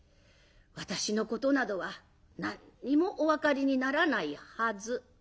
私のことなどは何にもお分かりにならないはず」。